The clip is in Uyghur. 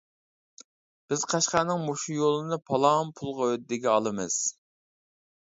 بىز قەشقەرنىڭ مۇشۇ يولىنى پالان پۇلغا ھۆددىگە ئالىمىز.